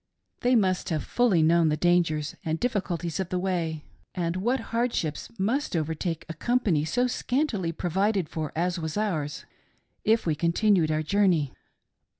They must have fully known the dangers and difficulties of the way, and what hardships must overtake a company so scantily provided for as was ours, if we continued our journey.